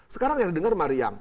sekarang yang denger mariam